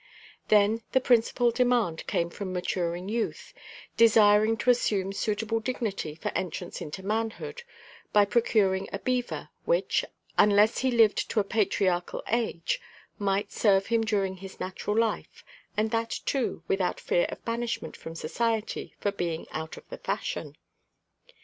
Then the principle demand came from maturing youth, desiring to assume suitable dignity for entrance into manhood, by procuring a "beaver" which, unless he lived to a patriarchal age, might serve him during his natural life, and that, too, without fear of banishment from society for being out of the fashion.